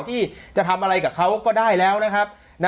ที่จะทำอะไรกับเขาก็ได้แล้วนะครับ